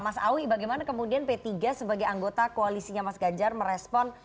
mas awi bagaimana kemudian p tiga sebagai anggota koalisinya mas ganjar merespon